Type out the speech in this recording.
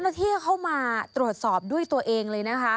ตั้งแต่ที่เขามาตรวจสอบด้วยตัวเองเลยนะคะ